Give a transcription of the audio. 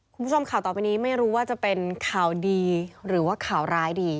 คุณผู้ชมข่าวต่อไปนี้ไม่รู้ว่าจะเป็นข่าวดีหรือว่าข่าวร้ายดี